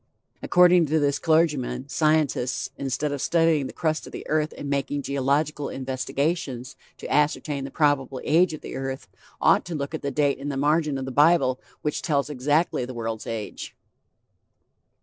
According to this clergyman, scientists, instead of studying the crust of the earth and making geological investigations to ascertain the probable age of the earth, ought to look at the date in the margin of the bible which tells exactly the world's age.